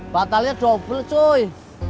batalnya dobel cuy